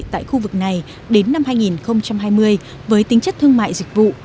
tại khu vực này đến năm hai nghìn hai mươi với tính chất thương mại dịch vụ